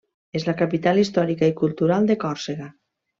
És la capital històrica i cultural de Còrsega.